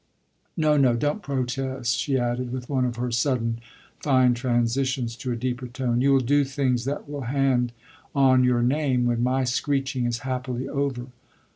No, no, don't protest," she added with one of her sudden, fine transitions to a deeper tone. "You'll do things that will hand on your name when my screeching is happily over.